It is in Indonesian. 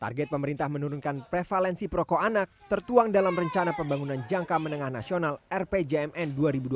target pemerintah menurunkan prevalensi rokok anak tertuang dalam rencana pembangunan jangka menengah nasional rpjmn dua ribu dua puluh dua ribu dua puluh empat